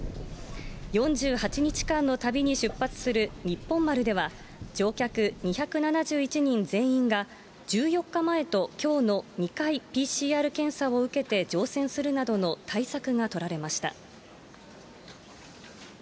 ４８日間の旅に出発するにっぽん丸では乗客２７１人全員が１４日前ときょうの２回、ＰＣＲ検査を受けて乗船するなどの対策が取られました。